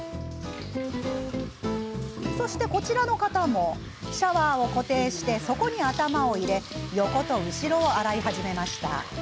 そして、こちらの方もシャワーを固定してそこに頭を入れ横と後ろを洗い始めました。